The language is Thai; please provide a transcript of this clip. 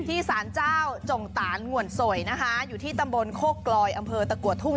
ที่สารเจ้าจงตานงวนโสยนะคะอยู่ที่ตำบลโคกลอยอำเภอตะกัวทุ่ง